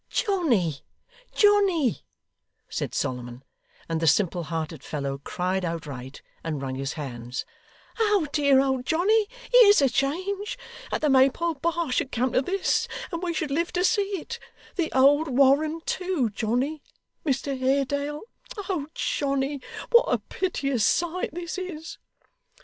'Johnny, Johnny,' said Solomon and the simple hearted fellow cried outright, and wrung his hands 'Oh dear old Johnny, here's a change! That the Maypole bar should come to this, and we should live to see it! The old Warren too, Johnny Mr Haredale oh, Johnny, what a piteous sight this is!